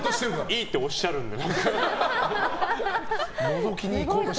いいっておっしゃるんで。